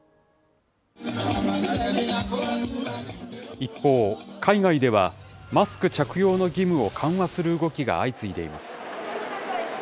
一方、海外ではマスク着用の義務を緩和する動きが相次いでいます。